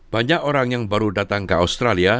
banyak orang yang baru datang ke australia